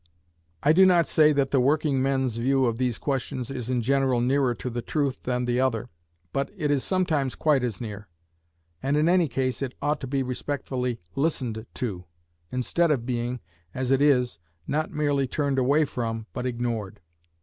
I do not say that the working men's view of these questions is in general nearer to the truth than the other, but it is sometimes quite as near; and in any case it ought to be respectfully listened to, instead of being, as it is, not merely turned away from, but ignored.